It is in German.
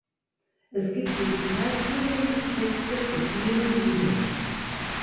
Es gibt digital zugängliche Texte zu vielen Liedern.